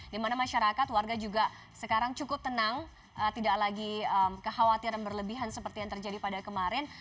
dimana masyarakat warga juga sekarang cukup tenang tidak lagi kekhawatiran berlebihan seperti yang terjadi pada kemarin